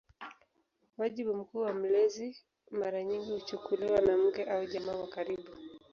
Wajibu mkuu wa mlezi mara nyingi kuchukuliwa na mke au jamaa wa karibu.